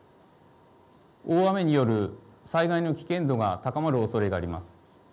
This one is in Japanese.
大雨による災害の危険度が高まるおそれがあります。